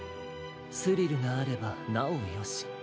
スリルがあればなおよし。